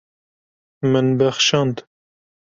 Min bexşand.